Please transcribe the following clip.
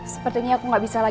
sepertinya aku nggak bisa lagi